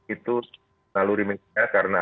itu lalu remitnya karena